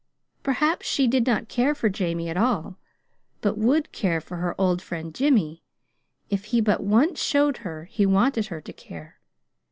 Perhaps she did not care for Jamie at all, but would care for her old friend, Jimmy, if he but once showed her he wanted her to care.